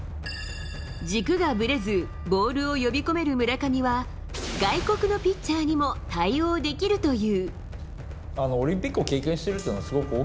軸がぶれず、ボールを呼び込める村上は、外国のピッチャーにも対応できるという。